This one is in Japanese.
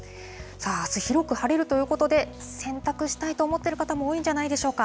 さあ、あす、広く晴れるということで、洗濯したいと思ってる方も多いんじゃないでしょうか。